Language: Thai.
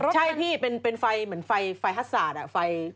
ใช่พี่เป็นไฟเหมือนไฟฮัทสาดไฟ